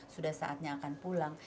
sudah saatnya akan pulang